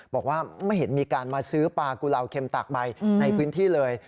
บอกว่าไม่เห็นมีการมาซื้อปลากุลาวเข็มตากใบในพื้นที่เลย